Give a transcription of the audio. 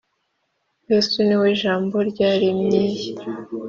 Yesu ni we jambo-ryaremy’iyi